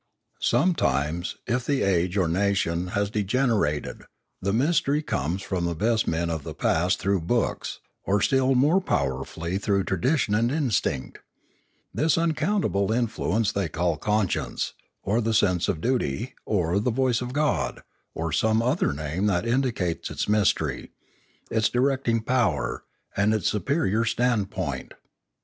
Sometimes, if the age or nation has degenerated, the mystery comes from the best men of the past through books, or still more powerfully through tradition and instinct; this unaccountable influence they call conscience, or the sense of duty, or the voice of God, or some other name that indicates its mystery, its directing power, and its superior standpoint.